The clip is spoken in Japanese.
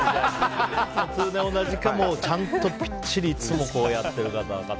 通年同じか、ちゃんとぴっちりいつもやってるか。